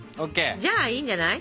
じゃあいいんじゃない？